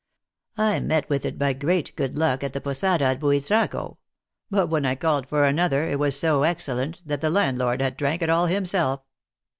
I met with it by great good luck at the posada at Euitrago ; but when I called for another, it was so excellent that the landlord had drank all himself.